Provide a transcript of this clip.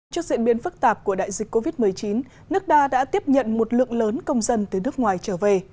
trước diễn biến phức tạp của đại dịch covid một mươi chín nước đa đã tiếp nhận một lượng lớn công dân từ nước ngoài trở về